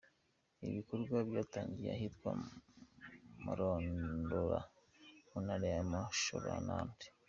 Ibi bikorwa byatangiriye ahitwa Marondora mu ntara ya Mashonaland.